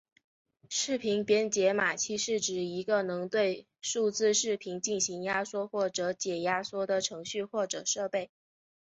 视频编解码器是指一个能够对数字视频进行压缩或者解压缩的程序或者设备。